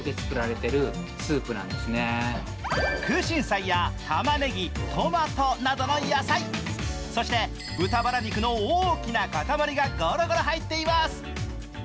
空心菜やたまねぎ、トマトなどの野菜、そして豚バラ肉の大きな塊がゴロゴロ入っています。